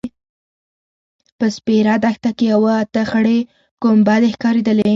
په سپېره دښته کې اوه – اته خړې کومبدې ښکارېدلې.